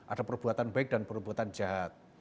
ada perbuatan baik dan perbuatan jahat